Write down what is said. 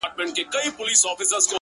• مرګه ونیسه لمنه چي در لوېږم,